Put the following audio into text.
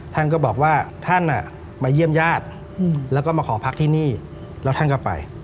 ท่านก็บอกว่าท่านมาเยี่ยมญาติแล้วก็มาขอพักที่นี่แล้วท่านก็ไป